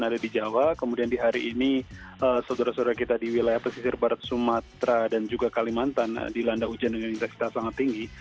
ada di jawa kemudian di hari ini saudara saudara kita di wilayah pesisir barat sumatera dan juga kalimantan dilanda hujan dengan intensitas sangat tinggi